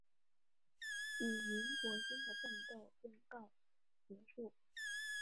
与国民军的战斗便告结束。